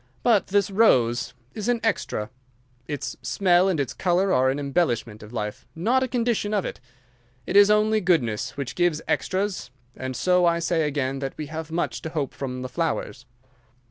But this rose is an extra. Its smell and its colour are an embellishment of life, not a condition of it. It is only goodness which gives extras, and so I say again that we have much to hope from the flowers."